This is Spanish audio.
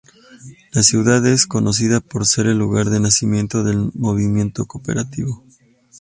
La ciudad es conocida por ser el lugar de nacimiento del movimiento cooperativo.